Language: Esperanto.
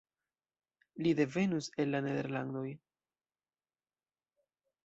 Li devenus el la Nederlandoj.